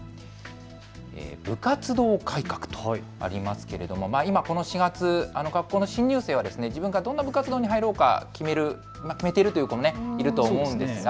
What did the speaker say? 部活動改革とありますけれども、今この４月、学校の新入生は自分がどんな部活動に入ろうか決めているという子もいると思います。